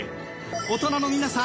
大人の皆さん